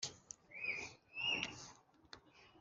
Ingingo ya gutanga amakuru n inyandiko